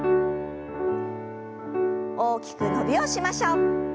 大きく伸びをしましょう。